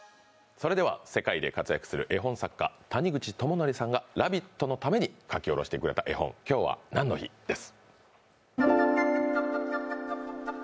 それでは世界で活躍する絵本作家、谷口智則さんが「ラヴィット！」のために描き下ろしてくれた絵本「きょうはなんの日？」です。